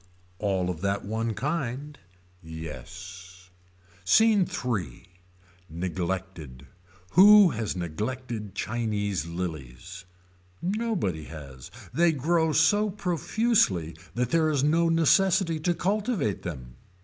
All of that one kind. Yes. SCENE III. Neglected. Who has neglected Chinese lillies. Nobody has. They grow so profusely that there is no necessity to cultivate them.